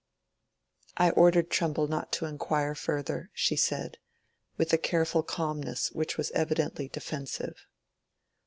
"I ordered Trumbull not to inquire further," she said, with a careful calmness which was evidently defensive.